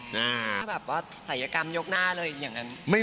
แบบว่าใส่อาการยกหน้าเลยอย่างนั้น